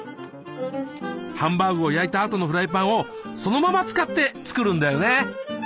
ハンバーグを焼いたあとのフライパンをそのまま使って作るんだよね。